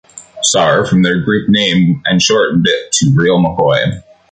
Sar" from their group name and shortened it to "Real McCoy.